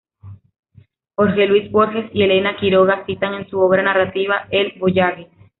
Jorge Luis Borges y Elena Quiroga citan en su obra narrativa el "Voyage".